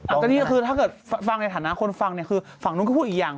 อันนี้ถ้าฟังในฐานะคนฟังนี่คือฝั่งโน้นก็พูดอีกอย่าง